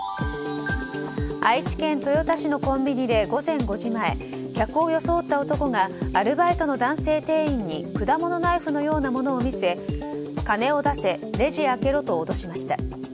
愛知県豊田市のコンビニで午前５時前客を装った男がアルバイトの男性店員に果物ナイフのようなものを見せ金を出せ、レジ開けろと脅しました。